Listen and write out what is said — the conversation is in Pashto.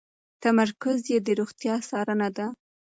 تمرکز یې د روغتیا څارنه ده.